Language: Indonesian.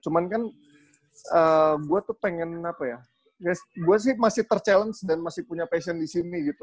cuman kan gue tuh pengen apa ya gue sih masih terchallenge dan masih punya passion di sini gitu